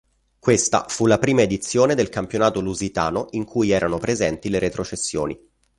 Questa fu la prima edizione del campionato lusitano in cui erano presenti le retrocessioni.